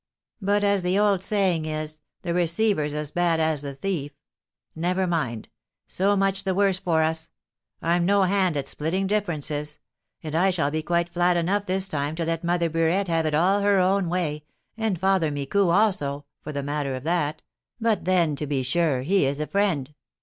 But, as the old saying is, 'The receiver's as bad as the thief.' Never mind; so much the worse for us! I'm no hand at splitting differences; and I shall be quite flat enough this time to let Mother Burette have it all her own way, and Father Micou also, for the matter of that; but then, to be sure, he is a friend."